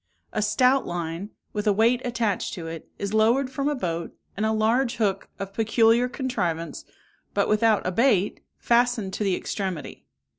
A stout line, with a weight attached to it, is lowered from a boat, and a large hook, of peculiar contrivance, but without a bait, fastened to the extremity.